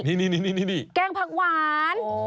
ไข่มดแดงผักหวาน